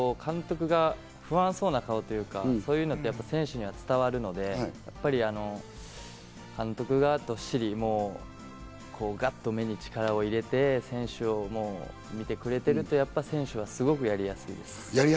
監督が不安そうな顔というか、そういうのをすると選手に伝わるので、監督がどっしり、ガッと目に力を入れて、選手を見てくれていると、選手はすごくやりやすいです。